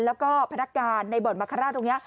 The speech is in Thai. และก็พนักการในเบิดมคาราช